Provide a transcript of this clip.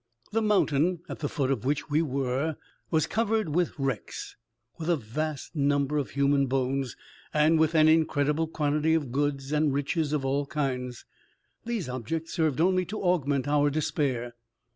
The mountain at the foot of which we were was covered with wrecks, with a vast number of human bones, and with an incredible quantity of goods and riches of all kinds. These objects served only to augment our despair.